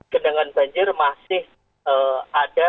gendangan banjir masih ada